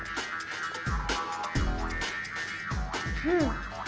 うん。